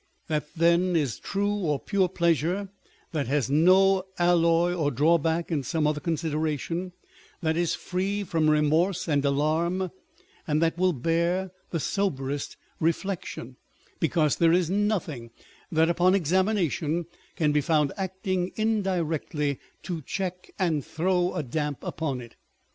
That then is true or pure pleasure that has no alloy or drawback in some other consideration ; that is free from remorse and alarm ; and that will bear the soberest reflection ; because there is nothing that, upon examination, can be found acting indirectly to check and throw a damp upon it.